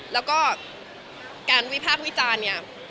แล้วก็การวิพากษ์วิจารณ์เนี่ย